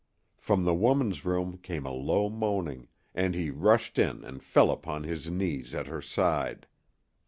From the woman's room came a low moaning, and he rushed in and fell upon his knees at her side.